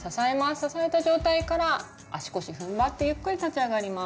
支えた状態から足腰ふんばってゆっくり立ち上がります。